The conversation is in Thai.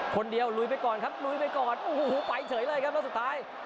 ลุยไปก่อนครับลุยไปก่อนโอ้โหไปเฉยเลยครับแล้วสุดท้าย